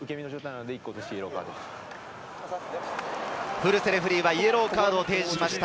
古瀬レフェリーはイエローカードを提示しました。